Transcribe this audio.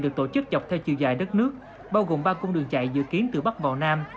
được tổ chức dọc theo chiều dài đất nước bao gồm ba cung đường chạy dự kiến từ bắc vào nam